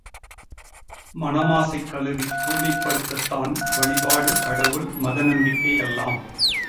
மன மாசைக் கழுவித் தூய்மைப் படுத்தத்தான் வழிபாடு, கடவுள், மத நம்பிக்கை எல்லாம்.